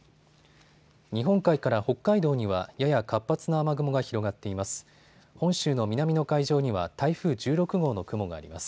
日本海から北海道にはやや活発な雨雲が広がっています。